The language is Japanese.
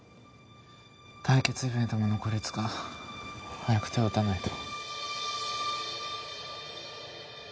対決イベントも残り５日早く手を打たないと。